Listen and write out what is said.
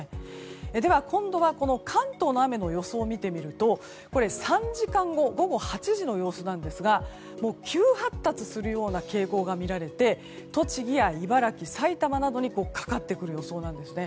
では、今度は関東の雨の予想を見てみると３時間後午後８時の様子なんですが急発達するような傾向が見られて栃木や茨城、埼玉などにかかってくる予想なんですね。